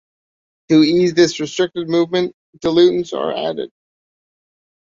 To ease this restricted movement, diluents are added.